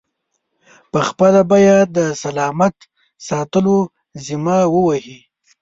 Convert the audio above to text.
پخپله به یې د سلامت ساتلو ذمه و وهي.